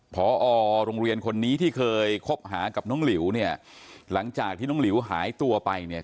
พอโรงเรียนคนนี้ที่เคยคบหากับน้องหลิวเนี่ยหลังจากที่น้องหลิวหายตัวไปเนี่ย